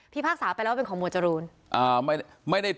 พี่ภาคสาวไปแล้วว่าเป็นของหมวดจรูนอ่าไม่ได้ไม่ได้